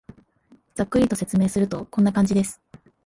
ざっくりと説明すると、こんな感じです